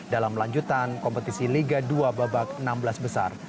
dalam lanjutan kompetisi liga dua babak enam belas besar